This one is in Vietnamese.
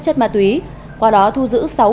chất ma túy qua đó thu giữ